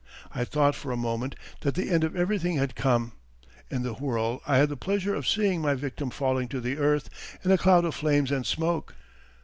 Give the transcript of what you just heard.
I thought for a moment that the end of everything had come. In the whirl I had the pleasure of seeing my victim falling to the earth in a cloud of flames and smoke.